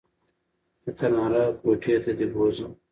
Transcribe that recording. د تناره کوټې ته دې بوځم